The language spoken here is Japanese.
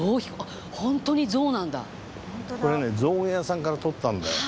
これね象牙屋さんから取ったんだよ。